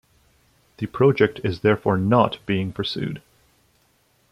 The project is therefore not being pursued.